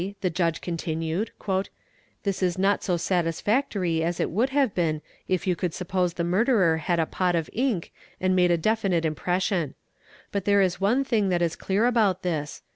the Judge continued, 'this is not so satisfactory as it would have been if you could suppose the murderer had a pot of ink and made a definite impression. But there is one thing that is clear about this.